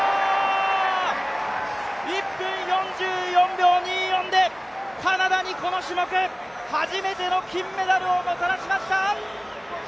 １分４４秒２４でカナダにこの種目、初めての金メダルをもたらしました！